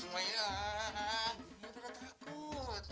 di mana ya di bawah